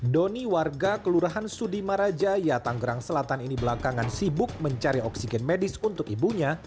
doni warga kelurahan sudimaraja yatanggerang selatan ini belakangan sibuk mencari oksigen medis untuk ibunya